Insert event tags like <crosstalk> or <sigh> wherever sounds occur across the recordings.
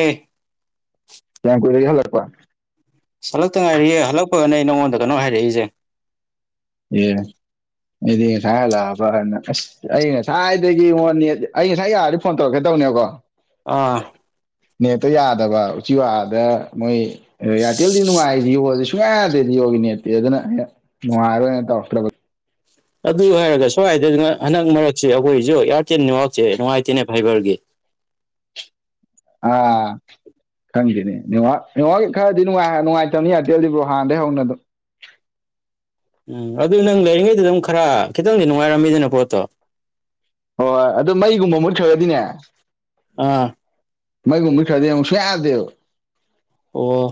ꯑꯦ ꯀ ꯀꯣꯏ ꯂꯩ ꯍꯜꯂꯛꯄ ꯑꯁ ꯍꯜꯂꯛꯇ ꯉꯥꯏꯔꯤꯌꯦꯦ ꯍꯜꯂꯛꯄꯒꯅꯦ ꯑꯩ ꯅꯉꯣꯟꯗ ꯀꯩꯅꯣ ꯍꯥꯏꯔꯛꯏꯁꯦ ꯑꯦ ꯑꯩꯗꯤ ꯉꯁꯥꯏ ꯍꯜꯂꯛꯑꯕꯅ ꯑꯁ ꯑꯩ ꯉꯁꯥꯏꯗꯒꯤ ꯃꯉꯣꯟꯅꯤ ꯑꯩ ꯉꯁꯥꯏ ꯌꯥꯔꯗꯤ ꯐꯣꯟ ꯇꯧꯔꯛꯀꯦ ꯇꯕ ꯅꯦ ꯑꯥ ꯅꯦꯠꯇ ꯌꯥꯗꯕ ꯎꯆꯤ ꯋꯥꯗ ꯃꯣꯏ ꯏꯌꯥꯔꯇꯦꯜꯗꯤ ꯅꯨꯡꯉꯥꯏꯁꯤ ꯌꯣꯜꯂ ꯁꯨꯡꯌꯥ ꯌꯥꯗꯦꯗꯤ ꯌꯣꯒꯤ ꯅꯠꯇꯦ ꯑꯗꯨꯅ ꯍ ꯅꯨꯡꯉꯥꯏꯔꯣꯏꯅ ꯇꯧꯔꯛꯇ꯭ꯔꯕ ꯑꯗꯨ ꯍꯥꯏꯔꯒ ꯁ꯭ꯋꯥꯏꯗ ꯍꯟꯗꯛ ꯃꯔꯛꯁꯦ ꯑꯩꯈꯣꯏꯁꯨ ꯏꯌꯥꯔꯇꯦꯜ ꯅꯦꯋꯥꯛꯁꯦ ꯅꯨꯡꯉꯥꯏꯇꯦꯅꯦ ꯐꯥꯏꯕꯔꯒꯤ ꯑꯥ ꯈꯪꯗꯦꯅꯦ ꯋꯥꯒꯤ ꯈꯔꯗꯤ ꯅꯨꯡꯉꯥꯏꯇꯕꯅꯤ ꯑꯟꯇꯦꯜꯗꯤꯕ꯭ꯔꯣ ꯍꯥꯟꯅꯩ ꯍꯧꯅꯗꯣ <inaudible> ꯎꯝ ꯑꯗꯨ ꯅꯪ ꯂꯩꯔꯤꯉꯩꯗ ꯑꯗꯨꯝ ꯈꯔ ꯈꯤꯇꯪꯗꯤ ꯅꯨꯡꯉꯥꯏꯔꯝꯃꯤꯗꯅ ꯄꯣꯠꯇꯣ ꯍꯣꯏ ꯑꯗꯨ ꯃꯩꯒꯨꯝꯕ ꯃꯨꯠꯈ꯭ꯔꯒꯗꯤꯅꯦ ꯑꯥ ꯃꯒꯨꯝꯃꯤ ꯈꯔꯗꯨꯁꯨ ꯌꯥꯗꯗꯦꯕ ꯑꯣ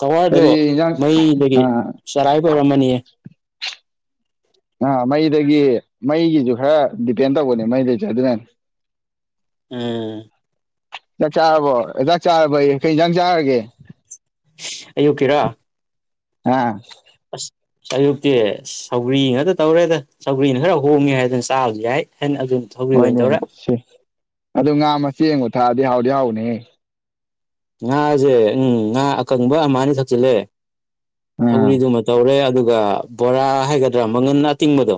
ꯇꯋꯥꯔꯗꯣ ꯀꯔꯤ ꯏꯟꯖꯥꯡ ꯃꯩꯗꯒꯤ ꯑꯥ ꯆꯔꯥꯏꯕ ꯑꯣꯏꯔꯝꯃꯅꯤꯌꯦ ꯑꯥ ꯃꯩꯗꯒꯤ ꯃꯩꯒꯤꯁꯨ ꯈꯔ ꯗꯤꯄꯦꯟ ꯇꯧꯕꯅꯦ ꯃꯩꯗꯩꯁꯨꯦ ꯑꯗꯨꯅꯅ ꯎꯝ ꯆꯥꯛ ꯆꯥꯔꯕꯣꯖꯥꯛ ꯆꯥꯔꯕ ꯑꯩ ꯀꯩꯖꯥꯛ ꯆꯥꯔꯒꯦ ꯑꯌꯨꯛꯀꯤꯔꯥ ꯑꯥ ꯑꯁ ꯑꯌꯨꯛꯇꯤ ꯁꯧꯒ꯭ꯔꯤ ꯉꯥꯛꯇ ꯇꯧꯔꯦꯗ ꯁꯧꯒ꯭ꯔꯤꯅ ꯈꯔ ꯍꯣꯡꯉꯦ ꯍꯥꯏꯗꯅ ꯆꯥꯕꯁꯦ ꯍꯥꯏ ꯍꯣꯏꯅꯦ ꯁꯤ ꯑꯗꯨ ꯉꯥ ꯃꯆꯦ ꯌꯦꯡꯕ ꯊꯛꯑꯗꯤ ꯍꯥꯎꯗꯤ ꯍꯥꯎꯅꯦ ꯉꯥꯁꯦ ꯎꯝ ꯉꯥ ꯑꯀꯪꯕ ꯑꯃꯅꯤ ꯊꯛꯆꯤꯜꯂꯦ ꯑꯥ ꯊꯧꯔꯤꯗꯨꯃ ꯇꯧꯔꯦ ꯑꯗꯨꯒ ꯕꯣꯔꯥ ꯍꯥꯏꯒꯗ꯭ꯔꯥ ꯃꯒꯟ ꯑꯇꯤꯡꯕꯗꯣ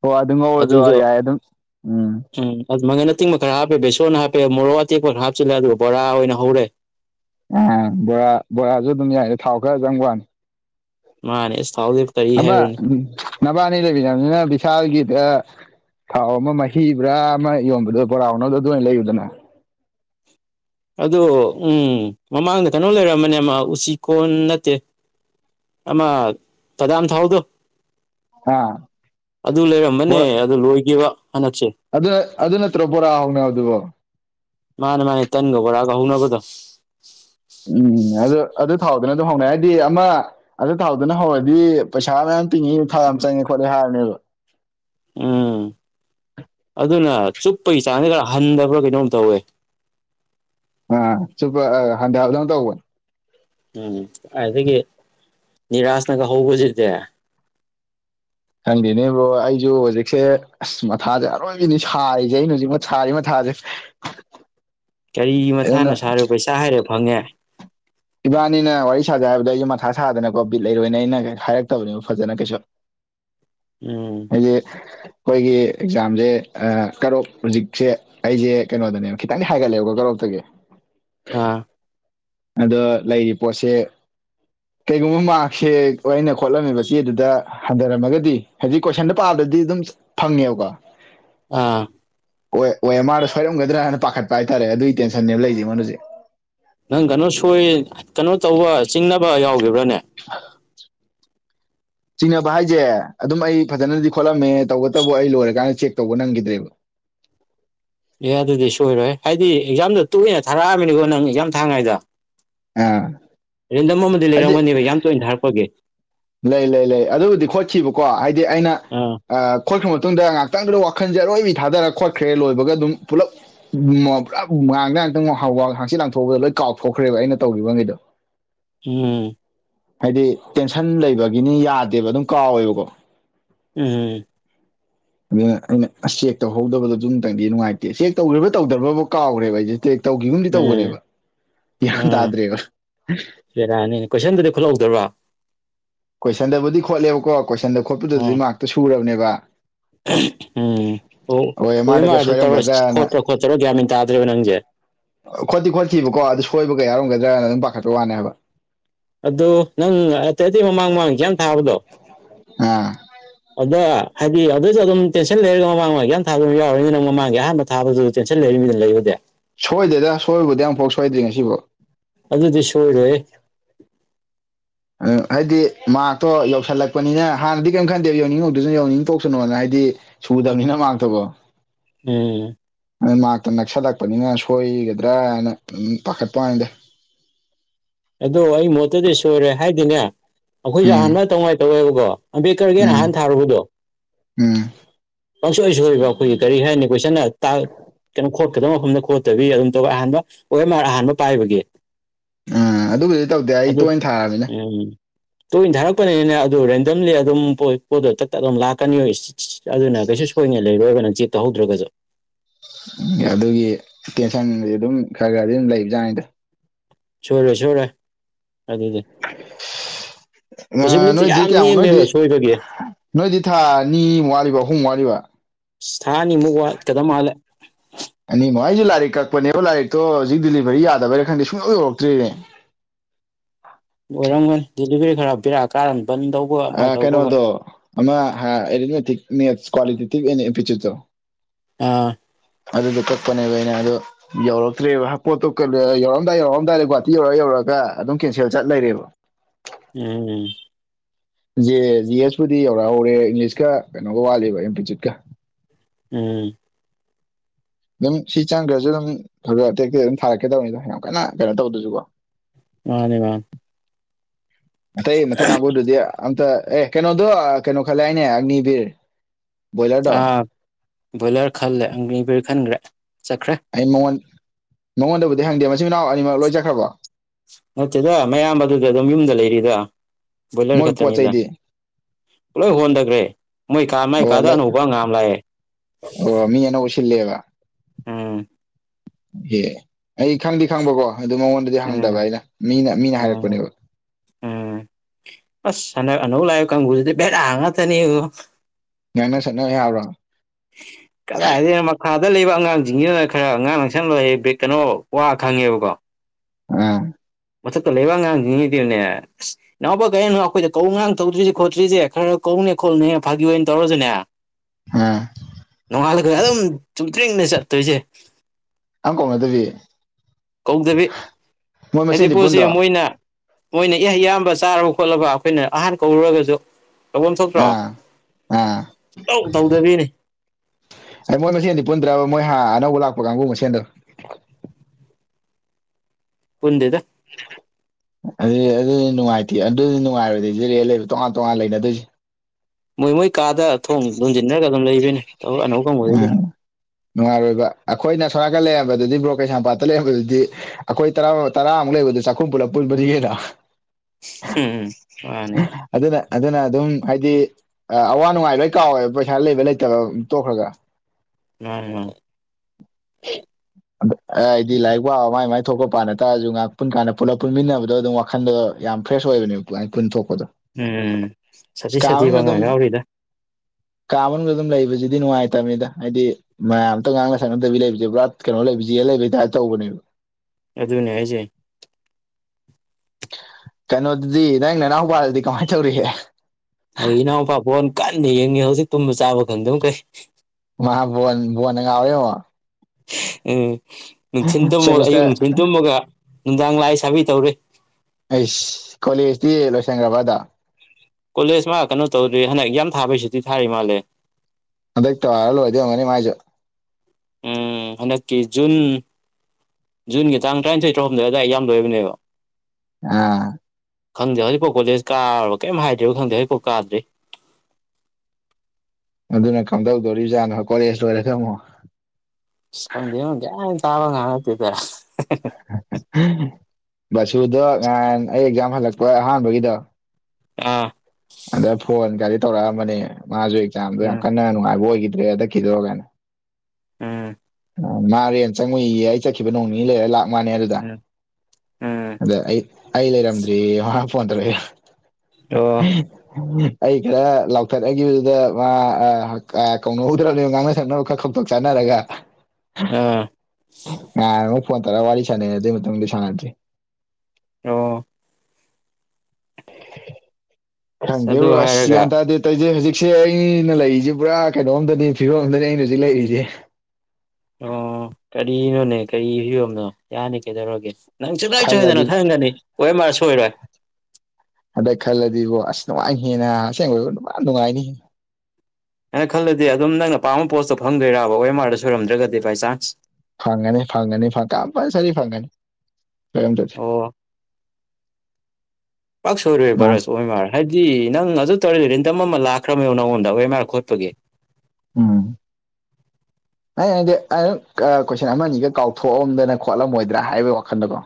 ꯍ ꯑꯗꯨꯝ ꯉ ꯑꯗꯨꯁꯨ ꯑꯣꯏꯔꯁꯨ ꯌꯥꯏ ꯑꯗꯨꯝ ꯎꯝ ꯑꯇꯤꯡꯕ ꯈꯔ ꯍꯥꯞꯄꯦ ꯕꯦꯁꯣꯟꯅ ꯍꯥꯞꯄꯦ ꯃꯣꯔꯣꯛ ꯑꯇꯦꯛꯄ ꯈꯔ ꯍꯥꯞꯆꯤꯜꯂꯦ ꯑꯗꯨꯒ ꯕꯣꯔꯥ ꯑꯣꯏꯅ ꯍꯧꯔꯦ ꯑ ꯕꯣꯔꯥ ꯕꯣꯔꯥꯁꯨ ꯑꯗꯨꯝ ꯌꯥꯏꯅꯦ ꯊꯥꯎ ꯈꯔ ꯆꯪ ꯋꯥꯅꯤ ꯃꯥꯅꯦꯁ ꯑꯃ ꯅꯕꯥꯅꯤ ꯂꯩꯕꯤꯅꯤꯅ ꯕꯤꯚꯤꯁꯥꯜꯒꯤ ꯊꯥꯎ ꯑꯃ ꯃꯍ ꯍꯤꯕ꯭ꯔꯥ ꯑꯃ ꯌꯣꯟꯕꯗꯣ ꯕꯣꯔꯥꯎꯅꯕꯗꯣ ꯑꯗꯨ ꯑꯣꯏꯅꯅ ꯂꯩꯕꯨꯗꯅ ꯑ ꯎꯝ ꯃꯃꯥꯡꯗ ꯀꯩꯅꯣ ꯂꯩꯔꯝꯝꯕꯅꯦꯃ ꯎꯆꯤꯀꯣꯟ ꯅꯠꯇꯦ ꯑꯃ ꯇꯗꯥꯝ ꯊꯥꯎꯗꯣ ꯑꯥ ꯑꯗꯨ ꯂꯩꯔꯝꯕꯅꯦ ꯑꯗꯨ ꯂꯣꯏꯈꯤꯕ ꯍꯟꯗꯛꯁꯦ ꯑꯗꯨꯅ ꯑꯗꯨ ꯅꯠꯇ꯭ꯔꯣ ꯄꯨꯣꯔꯥ ꯍꯧꯥꯎꯅꯦ ꯑꯗꯨꯕꯣ ꯃꯥꯅꯦ ꯃꯥꯅꯦ ꯇꯟꯒꯕꯔꯥꯒ ꯍꯧꯅꯕꯗꯣ ꯎꯝ ꯑꯗꯨ ꯑꯗꯨ ꯊꯥꯎꯗꯨꯅ ꯑꯗꯨꯝ ꯍꯧꯅꯩ ꯍꯥꯏꯗꯤ ꯑꯃ ꯑꯗꯨ ꯊꯥꯎꯗꯨꯅ ꯍꯧꯔꯗꯤ ꯄꯩꯁꯥ ꯃꯌꯥꯝ ꯇꯤꯡꯉꯤ ꯊꯥ ꯌꯥꯝ ꯆꯪꯉꯦ ꯔ ꯍꯔꯅ ꯎꯝ ꯑꯗꯨꯅ ꯆꯨꯞꯄꯒꯤ ꯆꯥꯡꯁ ꯈꯔ ꯍꯟꯗꯕ꯭ꯔꯥ ꯀꯩꯅꯣꯝ ꯇꯧꯋꯦ ꯑ ꯆꯨꯞꯄ ꯍꯟꯗꯗꯅ ꯇꯧꯕꯅꯦ ꯎꯝ ꯑꯗꯨꯗꯒꯤ ꯅꯤꯔꯥꯥꯁꯅꯒ ꯍꯧꯕꯁꯤꯗꯤ ꯈꯪꯗꯦꯅꯦꯕ꯭ꯔꯣ ꯑꯩꯁꯨ ꯍꯧꯖꯤꯛꯁꯦ ꯑꯁ ꯃꯊꯥꯁꯦ ꯑꯔꯣꯏꯕꯤꯅꯤ ꯁꯥꯔꯤꯁꯦ ꯑꯩꯅ ꯍꯧꯖꯤꯛ ꯁꯥꯔꯤ ꯃ ꯗꯦ ꯀꯔꯤ ꯃꯊꯥꯅꯣ ꯁꯥꯔꯣꯏ ꯄꯩꯁꯥ ꯍꯥꯏꯔꯦ ꯐꯪꯉꯦ ꯏꯕꯥꯅꯤꯅ ꯋꯥꯔꯤ ꯁꯥꯖꯩ ꯍꯥꯏꯕꯗ ꯑꯩꯁꯨꯦ ꯃꯊꯥ ꯁꯥꯗꯅꯀꯣ ꯕꯤꯠ ꯂꯩꯔꯣꯏꯅꯦ ꯑꯩꯅ ꯍꯥꯏꯔꯛꯇꯕꯅꯦꯕ ꯐꯖꯅ ꯀꯩꯁꯨ ꯎꯝ ꯑꯩꯒꯤ ꯑꯩꯈꯣꯏꯒꯤ ꯑꯦꯛꯖꯥꯝꯁꯦ ꯀꯔꯣꯛ ꯍꯧꯖꯤꯛꯁꯦ ꯑꯩꯁꯦ ꯀꯩꯅꯣꯗꯅꯦꯕ ꯈꯤꯇꯪꯗꯤ ꯍꯥꯏꯒꯠꯂꯛꯑꯦꯕꯀꯣ ꯀꯔꯣꯛꯇ ꯦ ꯑꯥ ꯑꯗꯣ ꯂꯩꯔꯤꯕꯔꯤ ꯄꯣꯠꯁꯦ ꯀꯩꯒꯨꯝꯕ ꯃꯥꯔꯛꯁꯦ ꯑꯩꯅ ꯈꯣꯠꯂꯝꯃꯤꯕ ꯆꯦꯗꯨꯗ ꯍꯟꯊꯔꯝꯃꯒꯗꯤ ꯍꯧꯖꯤꯛ ꯀꯣꯏꯁꯟꯗ ꯄꯥꯗ ꯗꯤ ꯑꯗꯨꯝ ꯐꯪꯉꯦꯕꯀꯣ ꯑꯥ ꯍꯣꯏ ꯍ ꯃꯥꯗ ꯁꯣꯏꯔꯝꯒꯗ꯭ꯔꯥ ꯍꯥꯏꯅ ꯄꯥꯈꯠꯄ ꯍꯥꯏꯇꯥꯔꯦ ꯑꯗꯨꯒꯤ ꯇꯦꯟꯁꯟꯅꯕ ꯂꯩꯖꯦ ꯃꯣꯏꯅ ꯍꯧꯖꯤꯦ ꯅꯪ ꯀꯩꯅꯣ ꯁꯣꯏ ꯀꯩꯅꯣ ꯇꯧꯕ ꯆꯤꯡꯅꯕ ꯌꯥꯎꯈꯤꯕ꯭ꯔꯥꯅꯦ ꯍꯂꯣ ꯆꯤꯡꯅꯕ ꯍꯥꯏꯁꯦ ꯑꯗꯨꯝ ꯑꯩ ꯐꯖꯅꯗꯤ ꯈꯣꯠꯂꯝꯃꯦ ꯇꯧꯕꯇꯕꯨ ꯑꯩ ꯂꯣꯏꯔꯀꯥꯟꯗ ꯆꯦꯛ ꯇꯧꯕ ꯅꯪꯈꯤꯗ꯭ꯔꯦꯕ <unintelligible> ꯑꯦ ꯑꯗꯨꯗꯤ ꯁꯣꯏꯔꯣꯏ ꯍꯥꯏꯗꯤ ꯑꯦꯛꯖꯥꯝꯗꯣ ꯇꯣꯏꯅ ꯊꯥꯔꯛꯑꯕꯅꯤꯀꯣ ꯅꯪ ꯑꯦꯛꯖꯥꯝ ꯊꯥꯡꯉꯥꯏꯗ ꯑ ꯔꯦꯟꯗꯝ ꯑꯃꯗꯤ ꯂꯩꯔꯝꯒꯅꯦꯕ ꯌꯥꯝ ꯇꯣꯏꯅ ꯊꯥꯔꯛꯄꯒꯤꯦ ꯂꯩ ꯂꯩ ꯂꯩ ꯑꯗꯨꯕꯨꯗꯤ ꯈꯣꯠꯈꯤꯕꯀꯣ ꯍꯥꯏꯗꯤ ꯑꯩꯅ ꯑꯥ ꯈꯣꯠꯈ꯭ꯔ ꯃꯇꯨꯡꯗ ꯉꯥꯏꯍꯥꯛꯇꯪꯗꯨꯗ ꯟꯁꯦ ꯑꯔꯣꯏꯕꯤ ꯊꯥꯗꯔ ꯈꯣꯠꯈ꯭ꯔꯦ ꯂꯣꯏꯕꯒ ꯑꯗꯨꯝ ꯄꯨꯂꯞ ꯄꯨꯂꯞ ꯉꯥꯡꯇ ꯉꯥꯛꯇꯪ ꯍꯥꯎꯒ ꯍꯆꯤ ꯂꯥꯡꯊꯣꯛꯄꯗ ꯂꯣꯏ ꯀꯥꯎꯊꯣꯛꯈ꯭ꯔꯦꯕ ꯑꯩꯅ ꯇꯧꯈꯤꯕꯈꯩꯗꯣ ꯎꯝ ꯍꯥꯏꯗꯤ ꯇꯦꯟꯁꯟ ꯂꯩꯕꯒꯤꯅꯤ ꯌꯥꯗꯦꯕ ꯑꯗꯨꯝ ꯀꯥꯎꯋꯦꯕꯀꯣ ꯎꯝꯝ <inaudible> ꯑꯗꯨꯅ ꯑꯩꯅ ꯑꯁ ꯆꯦꯛ ꯇꯧꯍꯧꯗꯕꯗꯣ ꯑꯗꯨ ꯑꯃꯛꯇꯪꯗꯤ ꯅꯨꯡꯉꯥꯏꯇꯦ ꯆꯦꯛ ꯇꯧꯈ꯭ꯔꯤꯕ ꯇꯧꯗ꯭ꯔꯕꯐꯥꯎ ꯀꯥꯎꯈꯦꯕ ꯑꯩꯁꯦ ꯆꯦꯛ ꯇꯧꯈꯤꯕꯒꯨꯝꯗꯤ ꯎꯝ ꯇꯧꯕꯅꯦꯕ ꯒ꯭ꯌꯥꯟ ꯑꯥ ꯇꯥꯗ꯭ꯔꯦꯕ ꯈꯠꯍꯧꯗꯕ꯭ꯔꯥ ꯀꯣꯏꯁꯟꯗꯕꯨꯗꯤ ꯈꯣꯠꯂꯦꯕꯀꯣ ꯀꯣꯏꯁꯟꯗ ꯑꯥ ꯈꯣꯠꯄꯗꯨꯗꯤ ꯃꯥꯔꯛꯇꯣ ꯁꯨꯔꯕꯅꯦꯕ ꯎꯝ ꯑꯣ ꯑꯦꯝ ꯑꯥꯔꯗꯒ ꯎꯃꯔꯗ ꯇꯧꯔ ꯁꯣꯏꯔꯝꯒꯗ꯭ꯔꯅ ꯈꯣꯠꯇ꯭ꯔꯣ ꯈꯣꯠꯇ꯭ꯔꯣ ꯒ꯭ꯌꯥꯃꯤꯟ ꯇꯥꯗ꯭ꯔꯦꯕ ꯅꯪꯁꯦ ꯈꯣꯠꯇꯤ ꯈꯣꯠꯇꯤꯕꯀꯣ ꯑꯗꯨ ꯁꯣꯏꯕꯒ ꯌꯥꯎꯔꯝꯒꯗ꯭ꯔꯅ ꯑꯗꯨꯝ ꯄꯥꯈꯠꯄ ꯋꯥꯅꯦ ꯍꯥꯏꯕ ꯑꯗꯨ ꯅꯪ ꯑꯇꯩ ꯑꯇꯩ ꯃꯃꯥꯡ ꯃꯃꯥꯡ ꯀ ꯌꯥꯝ ꯊꯥꯕꯗꯣ ꯑꯥ ꯑꯗ ꯍꯥꯏꯗꯤ ꯑꯗꯨꯁꯨ ꯑꯗꯨꯝ ꯇꯦꯟꯁꯟ ꯂꯩꯔꯒ ꯃꯃꯥꯡꯉꯒꯤ ꯌꯥꯝ ꯊꯥꯕꯝ ꯌꯥꯎꯔꯤꯅꯤꯅ ꯃꯃꯥꯡꯒꯤ ꯑꯍꯥꯟꯕ ꯊꯥꯕꯁꯨ ꯇꯦꯟꯁꯟ ꯂꯩꯔꯤꯅꯤꯅ ꯂꯩꯕꯗꯤ ꯁꯣꯏꯗꯦꯗ ꯁꯣꯏꯕꯨꯗꯤ ꯌꯥꯝꯐꯥꯎ ꯁꯣꯏꯗ꯭ꯔꯤ ꯉꯁꯤꯕꯨꯣ ꯑꯗꯗꯤꯁꯣꯔꯦ ꯑ ꯍꯥꯏꯗꯤ ꯃꯥꯇꯣ ꯌꯧꯁꯜꯂꯛꯄꯅꯤꯅ ꯍꯥꯟꯅꯗꯤ ꯀꯔꯤꯝ ꯈꯟꯗꯦꯕ ꯌꯧꯅꯤꯡꯉꯧꯗꯁꯨꯅ ꯌꯧꯅꯤꯡꯊꯣꯛꯁꯅꯣꯅ ꯍꯥꯏꯗꯤ ꯗꯤ ꯁꯨꯗꯕꯅꯤꯅ ꯃꯥꯛꯇꯕꯣ ꯎꯝ ꯑꯗꯨ ꯃꯇ ꯅꯛꯁꯜꯂꯛꯄꯅꯤꯅ ꯁꯣꯏꯒꯗ꯭ꯔꯥꯅ ꯄꯥꯈꯠꯄ ꯉꯗꯦ ꯑꯗꯣ ꯑꯩ ꯃꯣꯠꯇꯗꯤ ꯁꯣꯏꯔꯦ ꯍꯥꯏꯗꯤꯅꯦ ꯑꯩꯈꯣꯏꯁꯨꯦ ꯎꯝ ꯑꯍꯥꯟꯕ ꯇꯧꯉꯥꯏ ꯇꯧꯋꯦꯕꯀꯣ ꯑꯝꯕꯦꯗꯀꯔꯒꯤ ꯎꯝ ꯅꯍꯥꯟ ꯊꯥꯔꯨꯕꯗꯣ ꯎꯝ ꯄꯪ ꯁꯣꯏ ꯁꯣꯏꯕ ꯑꯩꯈꯣꯏꯒꯤ ꯀꯒꯥꯔꯤ ꯍꯥꯏꯅꯤꯀꯣꯏ ꯆꯠꯅ ꯀꯩꯅꯣ ꯈꯣꯠꯀꯗꯕ ꯃꯐꯝꯗ ꯈꯣꯠꯇꯕꯤ ꯑꯗꯨꯝ ꯇꯧꯕ ꯑꯍꯥꯟꯕ ꯑꯣꯏ ꯃꯥ ꯑꯍꯥꯟꯕ ꯄꯥꯏꯕꯒꯤ ꯎꯝ ꯑꯗꯨꯕꯨꯗꯤ ꯇꯧꯗꯦ ꯑꯩ ꯑꯗꯨ ꯇꯣꯏꯅ ꯊꯥꯔꯕꯅꯤꯅ ꯎꯝ ꯇꯣꯏꯅ ꯊꯥꯔꯛꯄꯅꯤꯅꯦ ꯑꯗꯨ ꯔꯦꯟꯗꯝꯂꯤ ꯑꯗꯨꯝ ꯄ ꯄꯣꯠꯇꯣꯇꯛꯇ ꯑꯗꯨꯝ ꯂꯥꯛꯀꯅꯤ ꯁꯤꯁꯤ ꯑꯗꯨꯅ ꯀꯩꯁꯨ ꯁꯣꯏꯅ ꯂꯩꯔꯣꯏꯕ ꯅꯪ ꯆꯦꯛ ꯇꯧꯍꯧꯗ꯭ꯔꯒꯁꯨ ꯎ ꯑꯗꯨꯒꯤ ꯇꯦꯟꯁꯟꯗꯤ <unintelligible> ꯑꯗꯨꯝ ꯈꯔ ꯈꯔꯗꯤ ꯑꯗꯨꯝ ꯂꯩꯕꯖꯥꯠꯅꯤꯗ ꯁꯣꯏꯔꯣꯏ ꯁꯣꯏꯔꯣꯏ ꯑꯗꯨꯗꯤ ꯑ, ꯄꯣꯖꯤꯕꯤꯂꯤꯇꯤ ꯅꯣꯏꯗꯤ ꯌꯥꯝ ꯀꯌꯥꯃꯨꯛ ꯅꯦꯝꯃꯦꯕ ꯅꯣꯏꯗꯤ ꯁꯣꯏꯕꯒꯤ ꯅꯣꯏꯗꯤ ꯊꯥ ꯅꯤꯃꯨꯛ ꯋꯥꯠꯂꯤꯕ ꯑꯍꯨꯝ ꯋꯥꯠꯂꯤꯕ ꯊꯥꯅꯤꯃꯨꯛ ꯋꯥꯠꯀꯗ ꯃꯥꯜꯂꯦ ꯑꯅꯤ ꯃꯣ ꯑꯩꯖꯨ ꯂꯥꯏꯔꯤꯛ ꯀꯛꯄꯅꯦꯕ ꯂꯥꯏꯔꯤꯛꯇꯣ ꯍꯧꯖꯤꯛ ꯗꯤꯂꯤꯚꯔꯤ ꯌꯥꯗꯕꯩꯔ ꯈꯪꯗꯦ ꯁꯨꯡꯌꯧ ꯌꯧꯔꯛꯇ꯭ꯔꯦꯅꯦ <inaudible> <unintelligible> <unintelligible> ꯈꯔ ꯕꯦꯔꯥ ꯀꯥꯔꯅꯤ ꯕꯟ ꯇꯧꯕꯒ ꯑ ꯑꯃ ꯇꯧꯕꯒ ꯀꯩꯅꯣꯗꯣ ꯑꯃ ꯑꯦꯔꯤꯠꯃꯦꯇꯤꯛ ꯃꯦꯠꯁ ꯀ꯭ꯋꯥꯂꯤꯇꯦꯇꯤꯞ <unintelligible> ꯑꯦꯝꯄ꯭ꯂꯤꯆꯨꯠꯇꯣ ꯑꯥ ꯑꯗꯨꯗꯣ ꯀꯛꯄꯅꯦꯕ ꯑꯩꯅ ꯑꯗꯣ ꯌꯧꯔꯛꯇ꯭ꯔꯦꯕ ꯄꯣꯠꯇꯣ ꯀꯛꯂ ꯌꯧꯔꯛꯑꯝꯗꯥꯏ ꯌꯧꯔꯛꯑꯝꯗꯥꯏ ꯒꯧꯍꯥꯇꯤ ꯌꯧꯔ ꯌꯧꯔ <unintelligible> ꯑꯗꯨꯝ ꯀꯦꯟꯁꯦꯜ ꯆꯠ ꯂꯩꯔꯦꯕ ꯅꯥꯏ ꯅꯥꯏ ꯖꯦ ꯖꯤ ꯑꯦꯁ ꯄꯨꯗꯤ ꯌꯧꯔꯛꯍꯧꯔꯦ ꯏꯪꯂꯤꯁꯀ ꯀꯩꯅꯣꯒ ꯋꯥꯠꯂꯤꯕ ꯑꯦꯝꯄ꯭ꯂꯤꯆꯨꯠꯀ ꯎꯝ ꯗꯨꯝ ꯁꯤ ꯆꯪꯒ꯭ꯔꯁꯨ ꯑꯗꯨꯝ ꯈꯒ ꯇꯦꯛ ꯇꯦꯛ ꯑꯗꯨꯝ ꯊꯥꯔꯛꯀꯦ ꯇꯧꯕꯅꯤꯗ ꯌꯥꯝ ꯀꯟꯅ ꯀꯩꯅꯣ ꯇꯧꯗ꯭ꯔꯁꯨꯀꯣ ꯃꯥꯅꯦ ꯃꯥꯅꯦ ꯇꯩ ꯃꯊꯛ ꯀꯥꯡꯕꯨꯗꯨꯗꯤ ꯑꯝꯇ ꯑꯦ ꯀꯩꯅꯣꯗꯣ ꯀꯩꯅꯣ ꯈꯜꯂꯦ ꯍꯥꯏꯅꯦ ꯑꯒꯅꯤꯕꯤꯔ ꯕꯣꯏꯂꯔꯗꯣ ꯑꯥ ꯕꯣꯏꯂꯔ ꯈꯜꯂꯦ ꯑꯒꯅꯤꯚꯤꯔ ꯈꯟꯒ꯭ꯔꯦ ꯑꯩ ꯃꯉꯣꯟ ꯃꯉꯣꯟꯗꯕꯨꯗꯤ ꯍꯪꯗꯦ ꯃꯆꯤꯟ ꯃꯅꯥꯎ ꯑꯅꯤꯃꯛ ꯂꯣꯏ ꯆꯈ꯭ꯔꯕꯣ ꯅꯠꯇꯦꯗ ꯃꯌꯥꯝꯕꯗꯨꯗ ꯑꯗꯨꯝ ꯌꯨꯝꯗ ꯂꯩꯔꯤꯗ ꯕꯣꯏꯂꯔ ꯃꯣꯏ ꯄꯣꯠ ꯈꯠꯇꯅꯤꯗ ꯆꯩꯗꯤ ꯄꯨꯂꯣꯏ ꯍꯣꯟꯊꯒ꯭ꯔꯦ ꯃꯣꯏ ꯀꯥ ꯃꯥꯏ ꯑꯣ ꯀꯥꯗ ꯂꯩ ꯑꯅꯧꯕ ꯑꯉꯥꯝ ꯂꯥꯛꯑꯦ ꯑꯣ ꯃꯤ ꯑꯅꯧꯕ ꯁꯤꯜꯂꯦꯕ ꯑꯝ ꯍꯦ ꯑꯩ ꯈꯪꯗꯤ ꯈꯪꯕꯀꯣ ꯑꯗꯨ ꯃꯉꯣꯟꯗꯗꯤ ꯎꯝ ꯍꯪꯗꯕ ꯑꯩꯅ ꯃꯤꯅ ꯃꯤꯅ ꯎꯝ ꯍꯥꯏꯔꯛꯄꯅꯦꯕ ꯎꯝ ꯑꯁ ꯍꯟꯗꯛ ꯑꯅꯧ ꯂꯥꯛꯏ ꯀꯥꯡꯕꯨꯁꯤꯗꯤ ꯕꯦꯔꯥ ꯉꯥꯠꯇꯅꯤ <unintelligible> ꯉꯥꯡꯅ ꯁꯛꯅ ꯌꯥꯕ꯭ꯔꯥ ꯗ ꯂꯩꯕ ꯑꯉꯥꯡꯖꯤꯡꯖꯤꯅ ꯈꯔ ꯉꯥꯡꯅ ꯁꯛꯅ ꯌꯥꯏ ꯕꯦ ꯀꯩꯅꯣ ꯋꯥ ꯈꯪꯉꯦꯕꯀꯣ ꯑꯝ ꯃꯊꯛꯇ ꯂꯩꯕ ꯑꯉꯥꯡꯖꯤꯡꯖꯤꯗꯤꯅꯦ ꯑꯁ ꯏꯅꯥꯎꯕ ꯀꯩꯅꯣ ꯑꯩꯈꯣꯏꯗ ꯀꯧ ꯉꯥꯡ ꯇꯧꯗ꯭ꯔꯤꯁꯦ ꯈꯣꯠꯇ꯭ꯔꯤꯁꯦ ꯈꯔ ꯈꯔ ꯀꯧ ꯀꯧꯅꯦ ꯈꯣꯠꯂꯨꯅꯦ ꯐꯥꯒꯤ ꯑꯣꯏꯅ ꯇꯧꯔꯖꯨꯅꯦ ꯑꯥ ꯅꯣꯡꯉꯥꯜꯂꯒ ꯑꯗꯨꯝ ꯆꯨꯞꯗ꯭ꯔꯤꯡꯅ ꯆꯠꯇꯣꯏꯖꯦ ꯑꯝ ꯀꯧꯅꯗꯕꯤ ꯀꯧꯗꯕꯤ ꯃꯣꯏ ꯍꯥꯏꯗꯤ ꯃꯁꯦꯟꯗꯤ ꯄꯣꯠꯁꯤ ꯄꯨꯟꯗ꯭ꯔꯣ ꯃꯣꯏꯅ ꯃꯣꯏꯅ ꯏꯍ ꯏꯌꯥꯝꯕ ꯆꯥꯔꯕ ꯈꯣꯠꯂꯕ ꯑꯩꯈꯣꯏꯅ ꯑꯍꯥꯟ ꯀꯧꯔꯨꯔꯒꯁꯨ ꯇꯧꯕꯝ ꯊꯣꯛꯇ꯭ꯔꯣ ꯑꯥ ꯑꯥ <unintelligible> ꯇꯧ ꯇꯧꯗꯕꯤꯅꯤ <unintelligible> ꯗ꯭ꯔꯤꯔꯥꯕ ꯃꯣꯏ ꯍꯥ ꯑꯅꯧꯕ ꯂꯥꯛꯄ ꯀꯥꯡꯕꯨ ꯃꯁꯦꯟꯗꯣ ꯄꯨꯟꯗꯦꯗ <inaudible> ꯑꯗꯨ ꯑꯗꯨꯗꯤ ꯅꯨꯡꯉꯥꯏꯇꯦ ꯑꯗꯨꯗꯤ ꯅꯨꯡꯉꯥꯏꯔꯣꯏꯗꯣꯏ ꯖꯦ ꯔꯦꯟ ꯂꯩꯕ ꯇꯣꯉꯥꯟ ꯇꯣꯉꯥꯟ ꯂꯩꯅꯗꯣꯏꯖꯦ ꯃꯣꯏ ꯃꯣꯏ ꯀꯥꯗ ꯊꯣꯡ ꯂꯣꯟꯖꯤꯟꯅꯔꯒ ꯑꯗꯨꯝ ꯂꯩꯕꯤꯅꯤ ꯎꯝ ꯅꯨꯡꯉꯥꯏꯔꯣꯏꯕ ꯑꯩꯈꯣꯏꯅ ꯁꯣꯔꯥ <unintelligible> ꯂꯩꯔꯝꯕꯗꯨꯗꯤ ꯕ꯭ꯔꯣ ꯀꯩꯁꯥꯝꯄꯥꯠꯇ ꯂꯩꯔꯝꯕꯗꯨꯗꯤ ꯑꯩꯈꯣꯏ ꯇꯔꯥ ꯇꯔꯥꯃꯨꯛ ꯂꯩꯕꯗꯨ ꯆꯥꯛꯈꯨꯝ ꯄꯨꯂꯞ ꯄꯨꯟꯕꯅꯤ ꯀꯩꯅꯣ ꯎꯝ ꯃꯥꯅꯤ ꯑꯗꯨꯅ ꯑꯗꯨꯅ ꯑꯗꯨꯝ ꯍꯥꯏꯗꯤ ꯑꯋꯥ ꯅꯨꯡꯉꯥꯏ ꯂꯣꯏ ꯀꯥꯎꯋꯦꯕ ꯄꯩꯁꯥ ꯂꯩꯕ ꯂꯩꯇꯕ ꯇꯣꯛꯈ꯭ꯔꯒ ꯎꯝ ꯗ ꯑꯗꯤ ꯂꯥꯛ ꯋꯥ ꯃꯥꯏ ꯃꯥꯏ ꯊꯣꯛꯄ ꯄꯥꯟꯅ ꯇꯔꯁꯨ ꯉꯥꯏꯥꯛ ꯄꯨꯟ ꯀꯥꯟꯗ ꯄꯨꯂꯞ ꯄꯨꯟꯃꯤꯟꯅꯕꯗꯣ ꯑꯗꯨꯝ ꯋꯥꯈꯜꯗ ꯌꯥꯝ ꯐ꯭ꯔꯦꯁ ꯑꯣꯏꯕꯅꯦ ꯄꯨꯟ ꯊꯣꯛꯄ ꯎꯝ ꯁꯥꯊꯤ ꯀꯥꯃꯟꯒ ꯁꯥꯊꯤꯕ ꯑꯗꯨꯝ ꯑꯉꯥꯡ ꯌꯥꯎꯔꯤꯗ ꯀꯥꯃꯟꯒ ꯑꯗꯨꯝ ꯂꯩꯕꯁꯤ ꯍꯥꯏꯗꯤ ꯅꯨꯡꯉꯥꯏꯇꯕꯅꯤꯗ ꯍꯥꯏꯗꯤ ꯃꯌꯥꯝ ꯑꯝꯇ ꯉꯥꯡꯅ ꯁꯅꯕ ꯂꯩꯕꯁꯦ ꯄꯨꯔꯥ ꯀꯩꯅꯣ ꯂꯩꯕ ꯖꯦꯜ ꯂꯩꯕꯩ ꯇꯏ ꯇꯧꯕꯅꯦꯕ ꯑꯗꯨꯅꯦ ꯍꯥꯏꯁꯦ ꯀꯩꯅꯣꯗꯨꯗꯤ ꯅꯪ ꯅꯅꯥꯎ ꯄꯗꯨꯗꯤ ꯀꯃꯥꯏ ꯇꯧꯔꯤꯍꯦ ꯑꯩ ꯏꯅꯥꯎꯄꯥ ꯐꯣꯟ ꯀꯟꯅ ꯌꯦꯡꯉꯤ ꯍꯧꯖꯤꯛ ꯇꯨꯝꯕ ꯆꯥꯕ ꯈꯪꯗ ꯑꯃ ꯀꯩ ꯃꯍꯥ ꯕꯣꯟ ꯅꯥꯉ ꯎꯝ ꯅꯨꯡꯊꯤꯜ ꯇꯨꯝꯃꯒ ꯑꯌꯨꯛ ꯁꯦꯃꯤꯁꯇꯔ ꯅꯨꯡꯊꯤꯜ ꯇꯨꯝꯃꯒ ꯅꯨꯡꯗꯥꯡ ꯂꯥꯏ ꯁꯥꯕꯤ ꯇꯧꯔꯤ ꯑꯩꯁ ꯀꯣꯂꯦꯖꯇꯤ ꯂꯣꯏꯁꯪꯈ꯭ꯔꯕꯗ ꯀꯣꯂꯦꯖ ꯃꯥ ꯀꯩꯅꯣ ꯇꯧꯗ꯭ꯔꯤ ꯍꯟꯗꯛ ꯌꯥꯝ ꯊꯥꯕꯩꯁꯨꯗꯤ ꯊꯥꯔꯤ ꯃꯥꯜꯂꯦ ꯍꯟꯗꯩ ꯇꯔ ꯂꯣꯏꯗꯤꯧꯝꯒꯅꯤ ꯃꯥꯏꯁꯨ ꯎꯝ ꯍꯗꯀꯤ ꯖꯨꯟ ꯖꯨꯟꯒꯤ ꯇꯥꯡ ꯇꯔꯥꯅꯤꯊꯣꯏ ꯇꯔꯛꯍꯨꯝꯗ ꯑꯗꯨꯗꯥꯋꯥꯏ ꯌꯥꯝ ꯂꯣꯏꯕꯅꯦꯕ ꯑꯥ ꯈꯪꯗꯦ ꯍꯧꯖꯤꯛꯐꯥꯎ ꯀꯣꯂꯦꯖ ꯀꯥꯔꯕ ꯀꯩꯝ ꯍꯥꯏꯗ꯭ꯦꯔꯤꯕ ꯈꯪꯗꯦ ꯍꯧꯖꯤꯛꯐꯥꯎ ꯀꯥꯗ꯭ꯔꯤ ꯑꯗꯨꯅ ꯀꯝꯗꯧꯗꯣꯔꯤꯕꯖꯥꯠꯅꯣ ꯀꯣꯂꯦꯖ ꯂꯣꯏꯔꯒꯃꯨ ꯁꯝꯦꯉꯒ ꯏ ꯇꯕꯒ ꯑꯥꯟꯠꯇꯗꯔ <inaudible> ꯕꯁꯨꯗꯣ ꯉꯥꯟ ꯏꯩ ꯖꯥꯝ ꯍꯜꯂꯛꯄ ꯑꯍꯥꯟꯕꯒꯤꯗ ꯑꯥ ꯑꯗ ꯐꯣꯟ ꯀꯒꯥꯗꯤ ꯇꯧꯔꯛꯑꯝꯕꯅꯦ ꯃꯥꯁꯨ ꯑꯦꯛꯖꯥꯝꯗꯣ ꯌꯥꯝ ꯎꯝ ꯀꯟꯅ ꯅꯨꯡꯉꯥꯏꯕ ꯑꯣꯏꯈꯤ ꯗꯦ ꯀꯗꯣꯒꯅ ꯎꯝ ꯃꯥꯔꯦ ꯆꯪꯉꯨꯏꯌꯦ ꯑꯩ ꯆꯠꯈꯤꯕ ꯅꯣꯡ ꯅꯤ ꯂꯩꯔꯒ ꯂꯥꯛ ꯆ ꯃꯥꯟꯅꯦ ꯑꯗꯨꯗ ꯎꯝ ꯎꯝ ꯑꯗ ꯑꯩ ꯑꯩ ꯂꯩꯔꯝꯗ꯭ꯔꯤꯌꯦ ꯃꯥ ꯐꯣꯟ ꯇꯧꯔꯛꯏꯦ ꯑꯣ ꯎꯝ ꯑꯩ ꯈꯔ ꯂꯥꯎꯊꯠꯈꯤꯕꯗꯨꯗ ꯃꯥ ꯀꯧꯅꯧꯍꯧꯗ꯭ꯔꯕꯅꯦꯕ ꯉꯥꯡꯅ ꯁꯛꯅꯕ ꯈꯔ ꯈꯛꯇ ꯆꯥꯟꯅꯔ ꯇꯉ ꯑꯝ ꯑꯃꯨꯛ ꯐꯣꯟ ꯇꯔꯥ ꯋꯥꯔꯤ ꯁꯥꯟꯅꯩ ꯑꯗꯨꯏ ꯃꯇꯨꯡꯗꯤ ꯁꯥꯟꯅꯗ꯭ꯔꯦ ꯑꯣ ꯑꯗꯨ ꯈꯪꯗꯦꯕꯣ ꯑꯁ ꯍꯥꯏꯔꯒ ꯌꯥ꯭ꯌꯥꯟ ꯇꯥꯗꯦ ꯇꯧꯁꯦ ꯍꯧꯖꯤꯛ ꯁꯤꯦ ꯑꯩꯅ ꯂꯩꯔꯤꯁꯦ ꯄꯨꯔꯥ ꯀꯩꯅꯣꯝꯗꯅꯤ ꯐꯤꯕꯝ ꯑꯝꯗꯅꯤ ꯑꯩꯅ ꯍꯧꯖꯤꯛ ꯂꯩꯔꯤꯁꯦ ꯑꯣ ꯀꯔꯤꯅꯣꯅꯦ ꯀꯔꯤ ꯐꯤꯌꯣꯝꯅꯣ ꯌꯥꯅꯤ ꯀꯩꯗꯧꯔꯒꯦ ꯅꯪ ꯁꯨꯡꯛꯂꯥꯏ ꯆꯨꯝꯣꯏꯗꯅꯣ ꯈꯜꯂꯗꯤ ꯈꯪꯒꯅꯤ ꯑꯣꯏꯔꯝ ꯃꯥꯜ ꯁꯣꯏꯔꯣꯏ ꯑꯟꯗꯛ ꯈꯜꯂꯗꯤꯕꯣ ꯑꯁ ꯅꯨꯡꯉꯥꯏ ꯍꯦꯅ ꯑꯁꯦꯡꯕ ꯑꯣꯏꯕꯨ ꯅꯨꯡ ꯅꯨꯡꯉꯥꯏꯅꯤ ꯑꯩꯅ ꯈꯜꯂꯗꯤ ꯑꯗꯨꯝ ꯅꯪꯅ ꯄꯥꯝꯕ ꯄꯣꯁꯇꯣ ꯐꯪꯗꯣꯏꯥꯕ ꯑꯣ ꯑꯦꯝ ꯑꯥꯔꯗ ꯁꯣꯏꯔꯝꯗ꯭ꯔꯒꯗꯤ ꯕꯥꯏ ꯆꯥꯟꯁ ꯐꯪꯒꯅꯤ ꯐꯪꯒꯅꯤ ꯀꯝꯄꯜꯁꯔꯤ ꯐꯪꯒꯅꯤ ꯑꯣ ꯄꯥꯛ ꯁꯣꯏꯔꯣꯏꯦ ꯃꯥꯁ ꯚꯔꯁꯨ ꯑꯣꯏ ꯃꯥꯜꯔꯦ ꯍꯥꯏꯗꯤ ꯅꯪ ꯑꯗꯨ ꯇꯧꯔꯗꯤ ꯔꯤꯗꯝꯝ ꯑꯃ ꯂꯥꯛꯦ ꯑꯀ꯭ꯔꯝ ꯌꯅꯉꯣꯟꯗꯋꯥꯦ ꯃꯌꯥꯝ ꯍꯣꯠꯠꯇꯦ ꯎꯝ ꯅꯗꯤ ꯑ ꯀꯣꯏꯁꯟ ꯑꯃꯅꯤꯁꯤꯒ ꯀꯥꯎꯊꯣꯛꯑꯝꯗꯅ ꯈꯣꯠꯂꯝꯃꯣꯏꯗ꯭ꯔꯥ ꯍꯥꯏꯕꯒꯤ ꯋꯥꯈꯜꯗꯀꯣ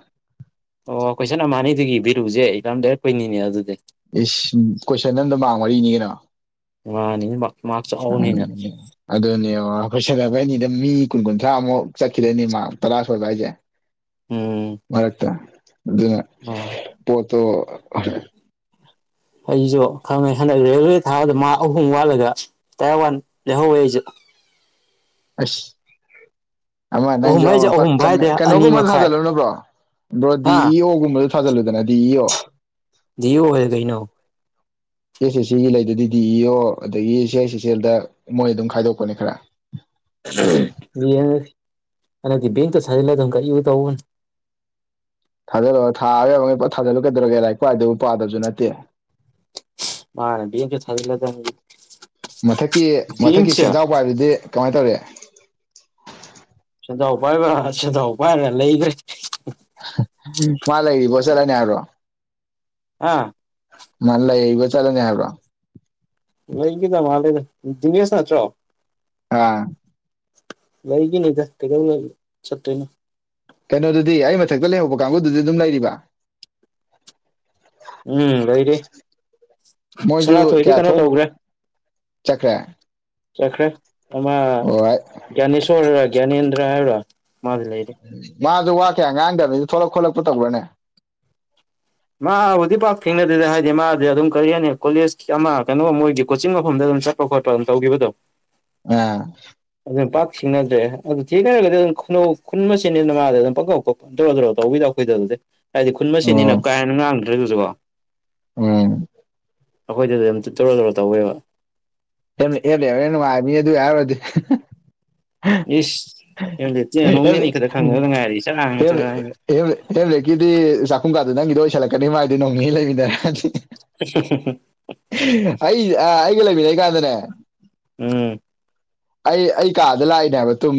ꯑꯣ ꯀꯣꯏꯁꯟ ꯑꯃ ꯑꯅꯤꯗꯨ ꯏꯕꯤꯔꯨꯎꯁꯦ ꯏ ꯌꯥꯝꯝꯗꯥꯏꯔꯦꯛ ꯀꯨꯏꯅꯤꯅꯦ ꯑꯗꯨꯗꯤ ꯏꯁ ꯀꯣꯏꯁꯟ ꯑꯗ ꯃꯥꯛ ꯋꯥꯔꯤꯅꯤ ꯀꯩꯅꯣ ꯃꯥꯅꯤ ꯃꯥꯔꯛ ꯆꯥꯎꯕꯅꯤꯅ ꯑꯗꯨꯗꯅꯤ ꯈꯗꯅꯤꯗ <inaudible> ꯃꯤ ꯀꯨꯟ ꯀꯨꯟꯊ꯭ꯔꯥꯃꯨꯛ ꯆꯠꯈꯤꯔꯅꯤ ꯃꯥ ꯇꯔꯥ ꯁꯣꯏꯕ ꯍꯥꯏꯁꯦ ꯎꯝ ꯃꯔꯛꯇ ꯑꯗꯨ ꯑ ꯄꯣꯠꯇꯣ ꯑꯩꯁꯨ ꯈꯪꯉꯦ ꯍꯟꯗꯛ ꯔꯦꯜꯋꯦ ꯊꯥꯕꯗ ꯃꯥ ꯑꯍꯨꯝ ꯋꯥꯠꯂꯒ ꯇꯌꯥꯔ ꯋꯥꯟ ꯂꯩꯍꯧꯋꯦ ꯑꯩꯁꯨ ꯑꯁ ꯑꯃ ꯑꯍꯨꯝ ꯅꯪꯁꯨ ꯑꯃ ꯍꯥꯏꯁꯦ ꯐ ꯑꯍꯨꯝ ꯍꯥꯏꯗꯦ ꯑꯅꯤ ꯀꯩꯅꯣꯒꯨꯝꯕꯗ ꯃꯈꯥꯏ ꯊꯥꯖꯜꯂꯨꯅꯕ꯭ꯔꯣ ꯑ꯭ꯔꯣ ꯗꯤ ꯍꯥ ꯏ ꯑꯣꯒꯨꯝꯕꯗꯨ ꯊꯥꯖꯤꯜꯂꯨꯗꯅ ꯗꯤ ꯏ ꯑꯣ ꯌ ꯍ ꯀꯩꯅꯣ ꯁꯤ ꯑꯦꯁ ꯑꯩꯁ ꯁꯤꯒꯤ ꯂꯩꯗꯗꯤ ꯗꯤ ꯏ ꯑꯣ ꯑꯗꯒꯤ ꯁꯤ ꯑꯩꯥꯏꯁ ꯁꯤꯁ ꯑꯦꯜꯗ ꯃꯣꯏ ꯑꯗꯨꯝ ꯈꯥꯏꯗꯣꯛꯄꯅꯦ ꯈꯔ ꯀꯁꯤ <unintelligible> <inaudible> ꯑꯗꯤ ꯕꯦꯡꯇ ꯁꯥꯖꯤ ꯂꯩꯗ ꯌꯨ ꯇꯥꯧꯕꯅꯤ ꯊꯥꯗꯜꯂꯒ ꯊꯥꯔ ꯊꯥꯗꯜꯂꯨꯀꯗꯧꯒꯦ ꯂꯥꯏꯔꯤꯛ ꯀꯏꯗꯕꯨ ꯄꯥꯗꯕꯁꯨ ꯅꯠꯇꯦ ꯃꯥꯅꯗꯤ ꯊꯖꯤꯂꯗꯗꯤ ꯃꯊꯛꯀꯤ ꯃꯊꯛꯀꯤ ꯁꯦꯟꯖꯥꯎꯕ ꯍꯥꯏꯕꯗꯤ ꯀꯃꯥꯏ ꯇꯧꯔꯤꯦ ꯁꯦꯟꯖꯥꯎ ꯄꯥꯏꯕ ꯁꯦꯟꯖꯥꯎ ꯄꯥꯏꯔꯅ ꯂꯩꯈ꯭ꯔꯦ ꯃꯥ ꯂꯩꯗꯤ ꯁꯂꯅꯦꯔꯣ ꯑꯥ ꯃꯥꯥꯟꯂ ꯑꯩꯕ ꯆꯂꯅꯦ ꯍꯥꯏꯕ ꯂꯩꯒꯗ ꯃꯥ ꯕꯤꯁꯅ ꯆ꯭ꯔꯣ ꯑꯥ ꯂꯩꯏꯒꯤꯅꯦ ꯆ ꯀꯕꯨ ꯁꯇꯣꯏꯅ ꯀꯩꯅꯣꯗꯨꯗꯤ ꯑꯩ ꯃꯊꯛꯇ ꯂꯩꯍꯧꯕ ꯀꯥꯡꯕꯨꯗꯨꯗꯤ ꯑꯗꯨꯝ ꯂꯩꯔꯤꯕ ꯎꯝ ꯂꯩꯩꯔꯦ ꯃꯣꯏꯁꯨ ꯁꯅꯥꯊꯣꯏꯗꯤ ꯀꯌꯥ ꯀꯩꯅꯣ ꯊꯣꯛ ꯇꯧꯈ꯭ꯔꯦ ꯆꯠꯈ꯭ꯔꯦ ꯆꯠꯈ꯭ꯔꯦ ꯑꯃ ꯍꯣꯏ ꯒ꯭ꯌꯥꯅꯦꯁꯣꯔꯔ ꯒ꯭ꯌꯥꯅꯦꯟꯗ꯭ꯔ ꯍꯥꯏꯕꯔꯣꯥ ꯃꯥꯁꯨ ꯋꯥ ꯀ ꯉꯥꯡꯗꯕꯅꯤ ꯊꯣꯂꯛ ꯈꯣꯠꯂꯛꯄ ꯇꯧꯕꯅꯦ ꯃꯥꯕꯨꯗꯤ ꯄꯥꯛ ꯊꯦꯡꯅꯗꯦꯗꯦ ꯍꯥꯏꯗꯤ ꯃꯥꯗꯤ ꯑꯗꯨꯝ ꯀꯔꯤ ꯍꯥꯏꯅꯤ ꯀꯣꯂꯦꯖ ꯑꯃ ꯀꯩꯅꯣ ꯃꯣꯏꯒꯤ ꯀꯣꯆꯤꯡ ꯃꯐꯝꯗ ꯑꯗꯨꯝ ꯆꯠꯄ ꯈꯣꯠꯄ ꯑꯗꯨꯝ ꯇꯧꯈꯤꯕꯗꯣ ꯑ ꯑꯗꯨꯝ ꯄꯥꯛ ꯁꯁꯤꯡꯅꯗ꯭ꯔꯦ ꯑꯗꯨ ꯊꯦꯡꯅꯔꯒꯗꯤ ꯑꯗꯨꯝ ꯈꯨꯧ ꯈꯨꯟ ꯃꯆꯦꯅꯤꯅ ꯃꯉꯥꯗ ꯑꯗꯨꯝ ꯄꯧꯔꯣ ꯇꯧꯕꯤꯔꯛꯎ ꯑꯩꯈꯣꯏꯗ ꯑꯗꯨꯗꯤ ꯍꯥꯏꯗꯤ ꯈꯨꯟ ꯃ ꯁꯤꯦꯠꯅꯤꯅ ꯑꯣ ꯀꯥ ꯍꯦꯟꯅ ꯉꯥꯡꯗ꯭ꯔꯦꯗꯨꯁꯨ ꯀꯣ ꯎꯝ ꯑꯩꯈꯣꯏꯗꯗ ꯑꯗꯨꯝ ꯇꯔꯣ ꯇꯔ ꯇꯧꯋꯦꯕ ꯃꯤ ꯑꯗꯨ ꯌꯥꯔꯗꯤ ꯏꯁꯁ ꯦ ꯎ ꯆꯔꯥꯡꯒ ꯆꯔꯥꯡꯒ ꯍꯦꯂꯦ ꯀꯗꯤ ꯆꯥꯛꯈꯨꯝ ꯀꯥꯗꯦ ꯅꯪꯒꯤꯗ ꯜꯂꯛꯀꯅꯤ ꯃꯥ ꯍꯥꯏꯗꯤ ꯅꯣꯡꯅꯤ ꯂꯩꯃꯤꯟꯅꯔꯁꯤꯗꯤ ꯎ ꯎ <inaudible> <unintelligible> ꯑꯩ ꯑꯩꯒꯤꯂꯕꯤꯗꯒ ꯎꯝ ꯑꯩ ꯑꯩ ꯀꯥꯗ ꯂꯥꯛꯏꯅꯦ ꯍꯥꯏꯕ ꯇꯨꯝ